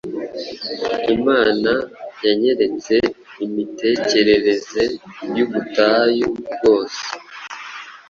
Imana yanyeretse "imitekerereze y’ubutayu rwose